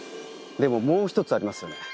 でももう１つありますよね。